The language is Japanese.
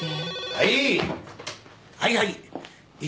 はい。